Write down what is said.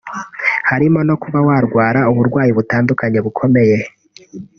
harimo no kuba yarwara uburwayi butandukanye bukomeye